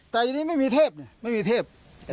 แต่ทีนี้ไม่มีเทพไม่มีเทพ